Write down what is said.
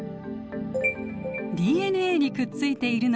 ＤＮＡにくっついているのは酵素。